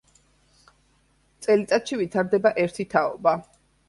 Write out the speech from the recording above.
წელიწადში ვითარდება ერთი თაობა.